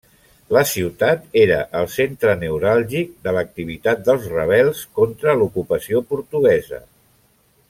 La ciutat era el centre neuràlgic de l'activitat dels rebels contra l'ocupació portuguesa.